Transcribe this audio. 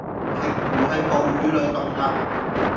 鯨魚係哺乳類動物